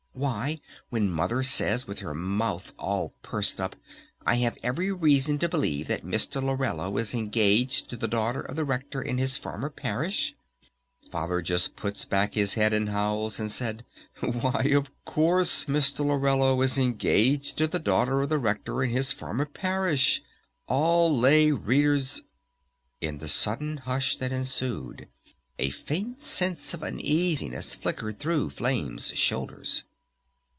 Why, when Mother says with her mouth all pursed up, 'I have every reason to believe that Mr. Lorello is engaged to the daughter of the Rector in his former Parish,' Father just puts back his head and howls, and says, 'Why, of course, Mr. Lorello is engaged to the daughter of the Rector in his former Parish! All Lay Readers...." In the sudden hush that ensued a faint sense of uneasiness flickered through Flame's shoulders.